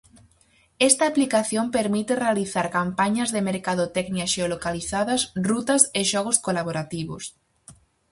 Esta aplicación permite realizar campañas de mercadotecnia xeolocalizadas, rutas e xogos colaborativos.